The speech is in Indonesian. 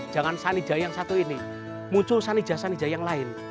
jangan sani jaya yang satu ini muncul sani jaya sani jaya yang lain